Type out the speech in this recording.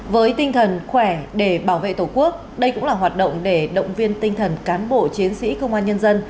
với tinh thần khỏe để bảo vệ tổ quốc đây cũng là hoạt động để động viên tinh thần cán bộ chiến sĩ công an nhân dân